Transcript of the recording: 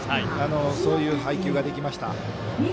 そういう配球ができました。